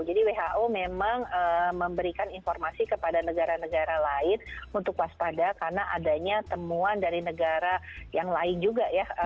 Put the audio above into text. jadi who memang memberikan informasi kepada negara negara lain untuk waspada karena adanya temuan dari negara yang lain juga ya